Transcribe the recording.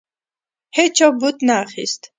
هیچا بت نه اخیست.